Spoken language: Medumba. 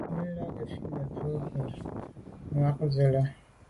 Mɛ́n la' gə̀ fít nə̀ bə́ gə̀brǒ nû myɑ̂k zə̀ lá'.